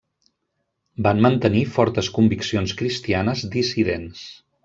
Va mantenir fortes conviccions cristianes dissidents.